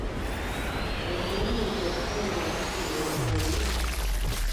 Okimanyi nti okutangira kusinga okuwonya?